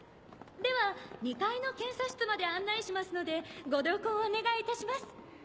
では２階の検査室まで案内しますのでご同行をお願いいたします。